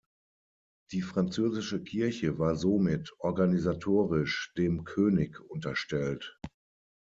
Die französische Kirche war somit organisatorisch dem König unterstellt.